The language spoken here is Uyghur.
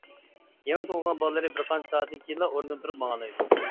يېڭى تۇغۇلغان بالىلىرى بىرقانچە سائەتتىن كېيىنلا ئورنىدىن تۇرۇپ ماڭالايدۇ.